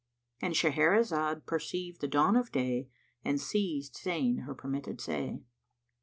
"—And Shahrazad perceived the dawn of day and ceased saying her permitted say.